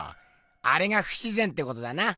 あれがふしぜんってことだな。